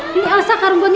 ini asa karun boninya